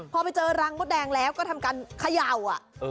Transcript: พอไปเจอรังมดแดงแล้วก็ทำการเขย่า